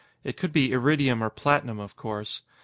It could be iridium or platinum, of course.